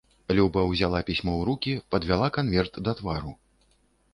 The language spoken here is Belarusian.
Люба ўзяла пісьмо ў рукі, падвяла канверт да твару.